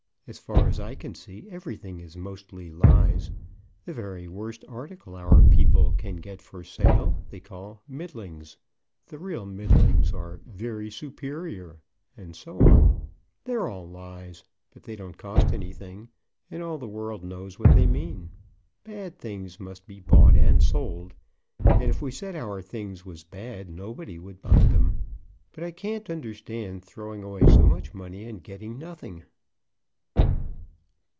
As far as I can see, everything is mostly lies. The very worst article our people can get for sale, they call 'middlings;' the real middlings are 'very superior,' and so on. They're all lies; but they don't cost anything, and all the world knows what they mean. Bad things must be bought and sold, and if we said our things was bad, nobody would buy them. But I can't understand throwing away so much money and getting nothing."